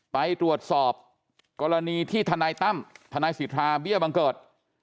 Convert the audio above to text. ไหว้ตรวจสอบกรณีที่ทตทศิษฐาเบี้ยบังเกิด